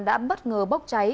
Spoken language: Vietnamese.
đã bất ngờ bốc cháy